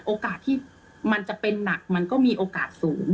โอกาสที่มันจะเป็นหนักมันก็มีโอกาสสูง